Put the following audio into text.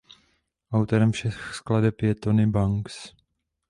Autorem všech skladeb je Tony Banks.